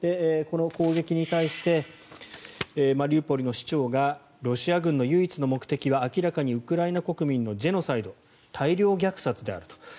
この攻撃に対してマリウポリの市長がロシア軍の唯一の目的は明らかにウクライナ国民のジェノサイド大量虐殺であると。